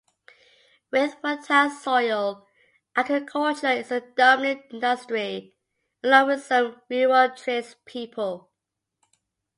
With fertile soil, agriculture is the dominant industry, along with some rural tradespeople.